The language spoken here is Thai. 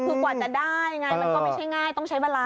คือกว่าจะได้ไงมันก็ไม่ใช่ง่ายต้องใช้เวลา